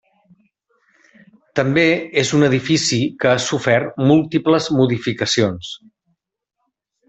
També és un edifici que ha sofert múltiples modificacions.